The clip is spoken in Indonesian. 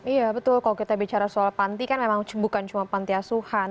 iya betul kalau kita bicara soal panti kan memang bukan cuma panti asuhan